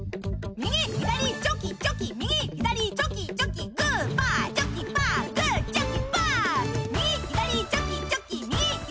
右左チョキチョキ右左チョキチョキ。